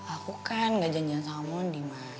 aku kan gak janjian sama mandi mah